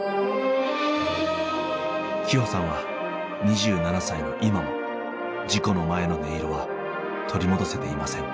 希帆さんは２７歳の今も事故の前の音色は取り戻せていません。